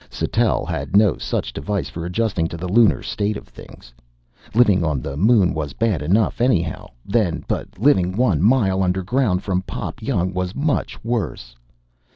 Sattell had no such device for adjusting to the lunar state of things. Living on the Moon was bad enough anyhow, then, but living one mile underground from Pop Young was much worse.